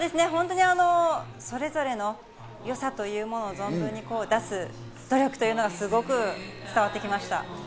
本当にそれぞれの良さというものを存分に出す努力というのがすごく伝わってきました。